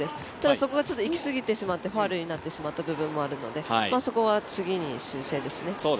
そこがいきすぎてしまってファウルになってしまった部分もあるのでそこは、次に修正ですね。